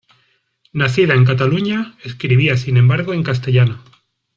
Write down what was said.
Nacida en Cataluña, escribía sin embargo en castellano.